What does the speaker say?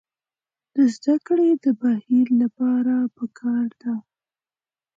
د زدکړې د دې بهیر لپاره پکار ده.